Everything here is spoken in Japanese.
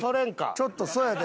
ちょっとそうやで。